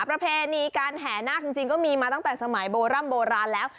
ประเพณีการแห่นาคจริงก็มีมาตั้งแต่สมัยโบร่ำโบราณแล้ว